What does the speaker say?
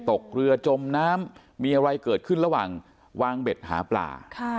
ตกเรือจมน้ำมีอะไรเกิดขึ้นระหว่างวางเบ็ดหาปลา